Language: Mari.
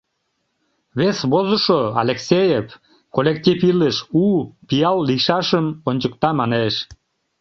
Вес возышо, Алексеев, коллектив илыш — у, пиал лийшашым ончыкта, манеш: